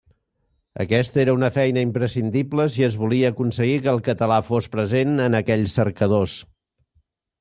Aquesta era una feina imprescindible si es volia aconseguir que el català fos present en aquells cercadors.